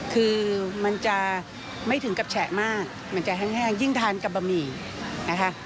คือมันจะไม่ถึงกับแฉะมากมันจะแห้งยิ่งทานกับบะหมี่นะคะ